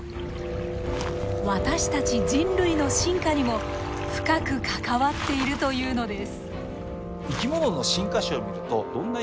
私たち人類の進化にも深く関わっているというのです。